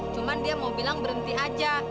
cuma dia mau bilang berhenti aja